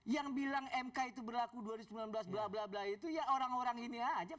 yang bilang mk itu berlaku dua ribu sembilan belas bla bla bla itu ya orang orang ini aja